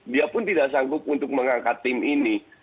dia pun tidak sanggup untuk mengangkat tim ini